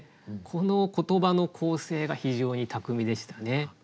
この言葉の構成が非常に巧みでしたね。